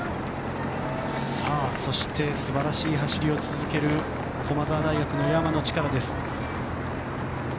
そして、素晴らしい走りを続ける駒澤大学の山野力です。